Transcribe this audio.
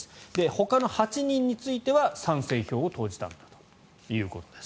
ほかの８人については賛成票を投じたということです。